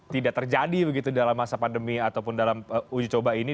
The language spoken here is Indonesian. tidak terjadi begitu dalam masa pandemi ataupun dalam uji coba ini